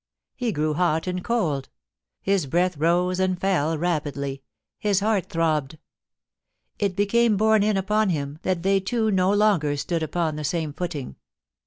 He grew hot and cold : his breath rose and fell rapidly : his heart throbbed It became borne in upon him that they two no longer stood upon the same footing.